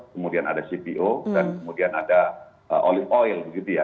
kemudian ada cpo dan kemudian ada olive oil begitu ya